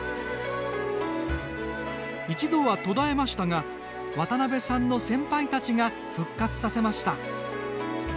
一度は途絶えましたが渡辺さんの先輩たちが復活させました。